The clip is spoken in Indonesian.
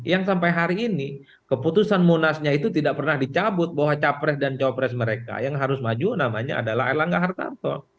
yang sampai hari ini keputusan munasnya itu tidak pernah dicabut bahwa capres dan copres mereka yang harus maju namanya adalah erlangga hartarto